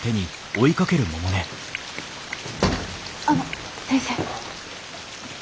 あの先生。